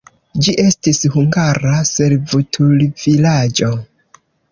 Ĝi estis hungara servutulvilaĝo.